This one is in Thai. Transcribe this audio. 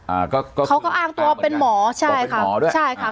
อ่าก็ก็เขาก็อ้างตัวเป็นหมอใช่ค่ะหมอด้วยใช่ค่ะ